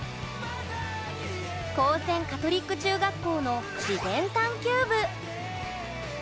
光泉カトリック中学校の自然探求部。